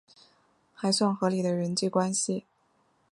还算合理的人际关系